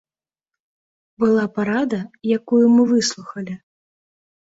Была парада, якую мы выслухалі.